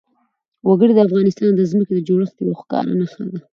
وګړي د افغانستان د ځمکې د جوړښت یوه ښکاره نښه ده.